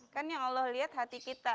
kan yang allah lihat hati kita